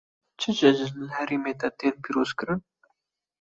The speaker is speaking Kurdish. Çi cejin li herêma te tên pîrozkirin?